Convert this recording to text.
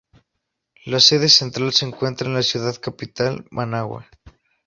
La sede central se encuentra en la ciudad capital, Managua.